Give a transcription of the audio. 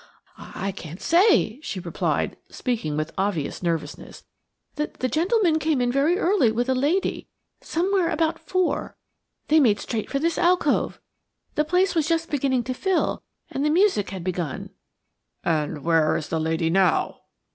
"I can't say," she replied, speaking with obvious nervousness. "The gentleman came in very early with a lady, somewhere about four. They made straight for this alcove. The place was just beginning to fill, and the music had begun." "And where is the lady now?"